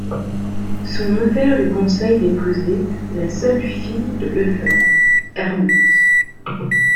Son notaire lui conseille d'épouser la seule fille de Lefebvre, Ermance.